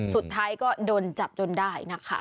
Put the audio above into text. สุดท้ายก็โดนจับจนได้นะคะ